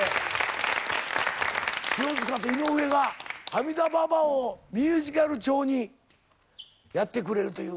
清塚と井上が「アミダばばあ」をミュージカル調にやってくれるという。